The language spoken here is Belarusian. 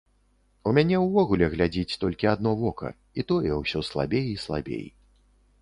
У мяне ўвогуле глядзіць толькі адно вока, і тое ўсё слабей і слабей.